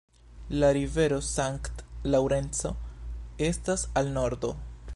La rivero Sankt-Laŭrenco estas al nordo.